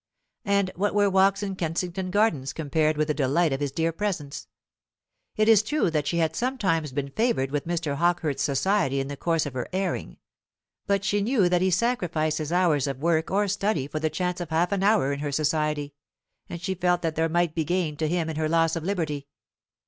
And what were walks in Kensington Gardens compared with the delight of his dear presence! It is true that she had sometimes been favoured with Mr. Hawkehurst's society in the course of her airing; but she knew that he sacrificed his hours of work or study for the chance of half an hour in her society; and she felt that there might be gain to him in her loss of liberty.